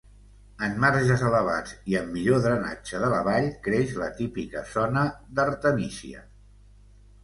En marges elevats i amb millor drenatge de la vall creix la típica zona d'artemísia.